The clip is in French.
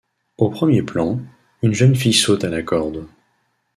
Au premier plan, une jeune fille saute à la corde.